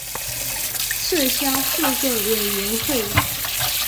撤销数个委员会。